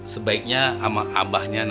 sebaiknya sama abahnya